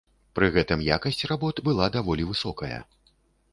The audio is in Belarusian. Пры гэтым якасць работ была даволі высокая.